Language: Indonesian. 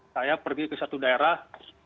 saya pergi ke satu daerah